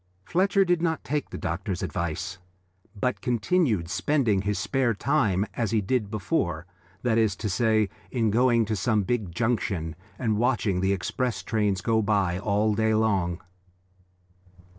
Fletcher did not take the doctor's advice, but continued spending his spare time as he did before, that is to say, in going to some big junction and watching the express trains go by all day long.